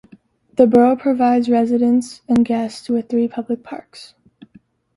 The borough provides residents and guests with three public parks.